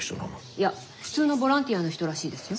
いや普通のボランティアの人らしいですよ。